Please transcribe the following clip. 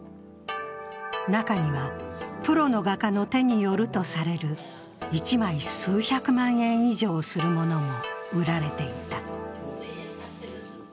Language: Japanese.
中には、プロの画家の手によるとされる１枚数百万円以上するものも売られていた。